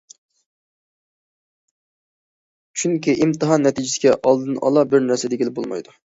چۈنكى، ئىمتىھان نەتىجىسىگە ئالدىنئالا بىر نەرسە دېگىلى بولمايدۇ.